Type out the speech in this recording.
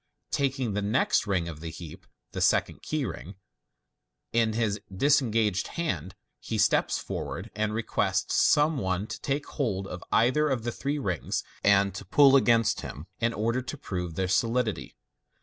Ta^ ing the next ring of the heap (the second key ring) in his disenofa^ed hand, he steps forward, and requests some one to take hold of either of the three rings, and to pull against him, in order to prove their solidity.